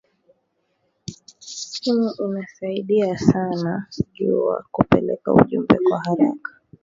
Simu inasaidia sana juya kupeleka ujumbe kwa araka